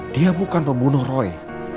dia bukan pembunuh roy